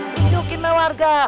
tujukin lah warga